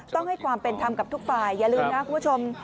ต้องให้ความเป็นธรรมกับทุกฝ่ายอย่าลืมนะคุณผู้ชม